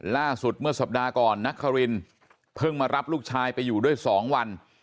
ล่าสุดเมื่อสัปดาห์ก่อนนักครินเพิ่งมารับลูกชายไปอยู่ด้วย๒วัน